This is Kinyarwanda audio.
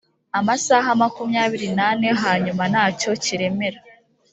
amasaha makumyabiri n ane hanyuma nacyo kiremera